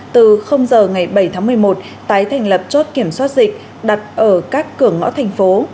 từ giờ ngày bảy tháng một mươi một tái thành lập chốt kiểm soát dịch đặt ở các cửa ngõ thành phố